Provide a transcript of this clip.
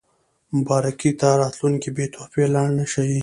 مبارکۍ ته راتلونکي بې تحفې لاړ نه شي.